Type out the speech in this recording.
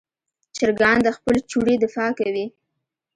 چرګان د خپل چوڼې دفاع کوي.